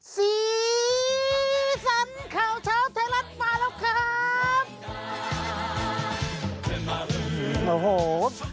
สีสันข่าวเช้าไทยรัฐมาแล้วครับ